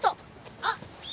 あっ。